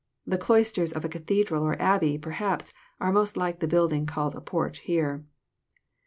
The cloisters of a cathedral or abbey, perhaps, are most like the building called a " porch " here.